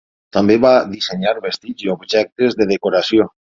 També va dissenyar vestits i objectes de decoració.